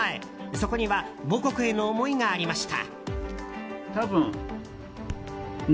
そこには母国への思いがありました。